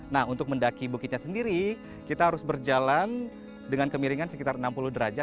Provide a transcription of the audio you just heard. nah untuk mendaki bukitnya sendiri kita harus berjalan dengan kemiringan sekitar enam puluh derajat